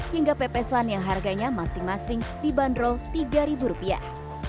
hingga pepesan yang harganya masing masing dibanderol tiga ribu rupiah